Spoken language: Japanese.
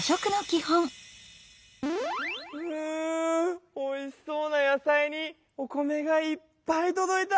うおいしそうな野菜にお米がいっぱいとどいた！